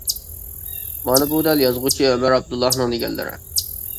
مانا بۇ دەل يازغۇچى ئۆمەر ئابدۇللانىڭ دېگەنلىرى.